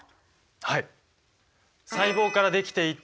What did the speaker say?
はい。